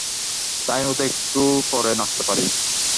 তাই, হয়তো একটু পরে নাচতে পারি।